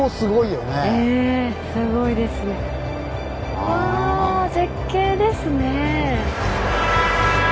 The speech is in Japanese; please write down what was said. わあ絶景ですね。